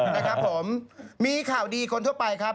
นะครับผมมีข่าวดีคนทั่วไปครับ